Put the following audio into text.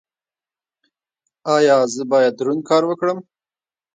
ایا زه باید دروند کار وکړم؟